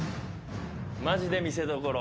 ・マジで見せどころ。